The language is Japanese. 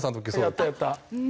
やったやった。